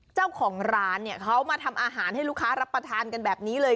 เจ้าของร้านเนี่ยเขามาทำอาหารให้ลูกค้ารับประทานกันแบบนี้เลย